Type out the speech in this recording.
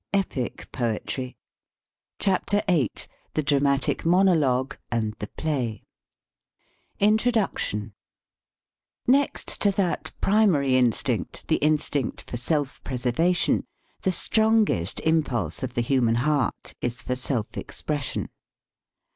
EPIC POETRY CHAPTER VIII. THE DRAMATIC MONOLOGUE AND THE PLAY viii INTRODUCTION NEXT to that primary instinct, the in stinct for self preservation, the strong est impulse of the human heart is for self expression.